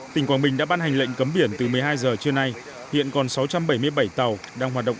tỉnh quảng bình đã ban hành lệnh cấm biển từ một mươi hai giờ trưa nay hiện còn sáu trăm bảy mươi bảy tàu đang hoạt động